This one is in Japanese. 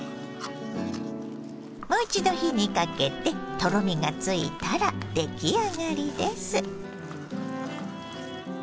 もう一度火にかけてとろみがついたら出来上がりです。